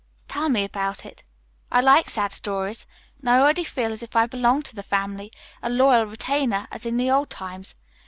"Tell me about it. I like sad stories, and I already feel as if I belonged to the family, a loyal retainer as in the old times.